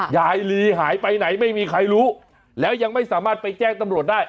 ยายลีหายไปไหนไม่มีใครรู้แล้วยังไม่สามารถไปแจ้งตำรวจได้